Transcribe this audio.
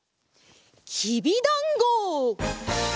きびだんご！